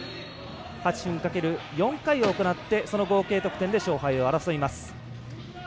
８分かける４回を行ってその合計得点で勝敗を争います。